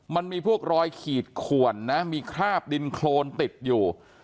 มันมีพวกรอยขีดขวนนะมีคราบดินโครนติดอยู่